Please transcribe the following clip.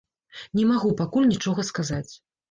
Не магу пакуль нічога сказаць.